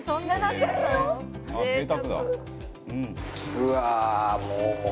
うわもう。